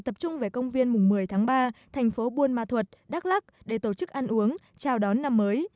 tập trung về công viên mùng một mươi tháng ba thành phố buôn ma thuật đắk lắc để tổ chức ăn uống chào đón năm mới